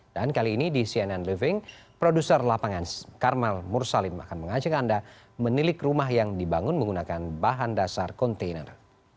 dan kali ini di cnn living produser lapangan karmel mursalin akan mengajak anda menilik rumah yang dibangun menggunakan bahan dasar kontainer